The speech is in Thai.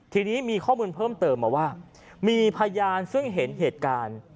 ทีนี้มีข้อมูลเพิ่มเติมมาว่ามีพยานซึ่งเห็นเหตุการณ์